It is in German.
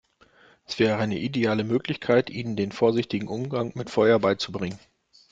Es wäre eine ideale Möglichkeit, ihnen den vorsichtigen Umgang mit Feuer beizubringen.